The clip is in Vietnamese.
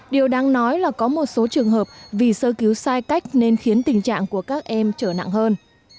điều đáng nói là có một số trường hợp vì sơ cứu sai cách nên khiến tình trạng của các em trở nặng hơn